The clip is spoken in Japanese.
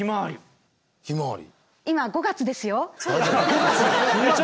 ひまわり。